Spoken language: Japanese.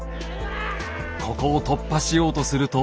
ここを突破しようとすると。